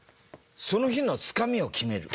その日のつかみを決める。